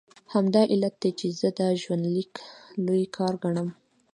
همدا علت دی چې زه دا ژوندلیک لوی کار ګڼم.